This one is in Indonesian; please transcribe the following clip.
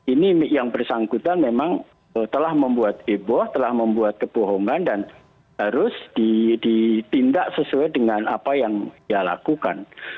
ini yang bersangkutan memang telah membuat heboh telah membuat kebohongan dan harus ditindak sesuai dengan apa yang dia lakukan